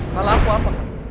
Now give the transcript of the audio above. salah aku apa kak